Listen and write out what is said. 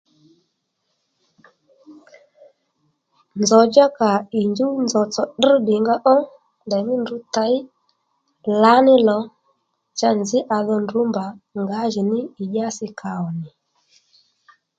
Nzòw djá kà ì njúw nzòw tsò tdrr ddìnga ó ndèymí ndǔ těy lǎní lò cha nzǐ à dho ndrǔ mbà ngǎjìní ì dyási kà ò nì